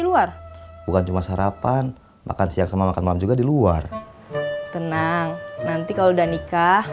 luar bukan cuma sarapan makan siang sama makan malam juga di luar tenang nanti kalau udah nikah